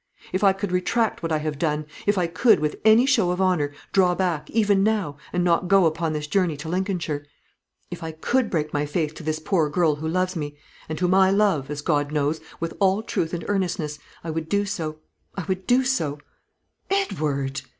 If I could retract what I have done; if I could, with any show of honour, draw back, even now, and not go upon this journey to Lincolnshire; if I could break my faith to this poor girl who loves me, and whom I love, as God knows, with all truth and earnestness, I would do so I would do so." "Edward!"